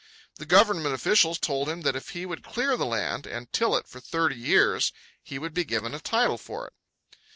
The government officials told him that if he would clear the land and till it for thirty years he would be given a title for it.